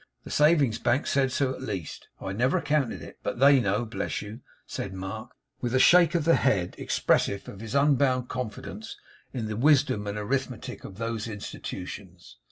The Savings' Bank said so at least. I never counted it. But THEY know, bless you!' said Mark, with a shake of the head expressive of his unbounded confidence in the wisdom and arithmetic of those Institutions.